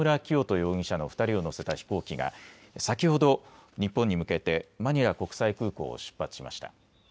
容疑者の２人を乗せた飛行機が先ほど日本に向けてマニラ国際空港を出発しました。